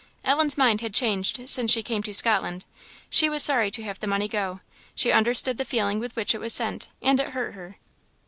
Ellen's mind had changed since she came to Scotland; she was sorry to have the money go; she understood the feeling with which it was sent, and it hurt her.